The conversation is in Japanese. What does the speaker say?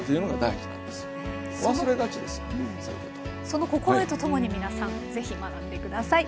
その心得とともに皆さん是非学んで下さい。